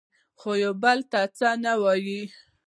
خو یو بل ته یې څه ونه ویل.